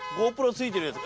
付いてるやつ。